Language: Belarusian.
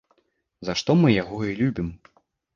За што мы яго і любім.